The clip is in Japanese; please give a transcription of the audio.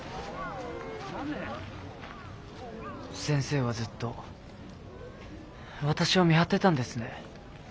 先生はずっと私を見張ってたんですね。